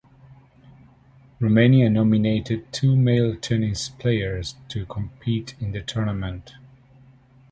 Romania nominated two male tennis players to compete in the tournament.